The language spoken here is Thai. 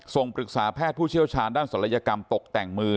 ปรึกษาแพทย์ผู้เชี่ยวชาญด้านศัลยกรรมตกแต่งมือ